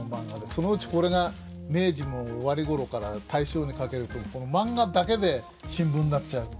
そのうちこれが明治も終わり頃から大正にかけるとマンガだけで新聞になっちゃう。